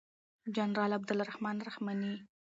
جنرال عبدالرحمن رحماني